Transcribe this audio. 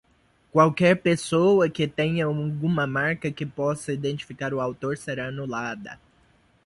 Qualquer pessoa que tenha alguma marca que possa identificar o autor será anulada.